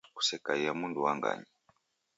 Kusekaie mundu wa nganyi